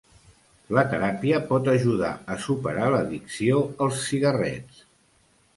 La teràpia pot ajudar a superar l'addicció als cigarrets.